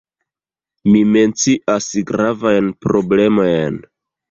Mi mencias gravajn problemojn.